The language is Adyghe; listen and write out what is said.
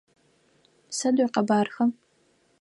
Сыд уикъэбархэ?